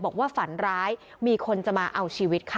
ฝันร้ายมีคนจะมาเอาชีวิตค่ะ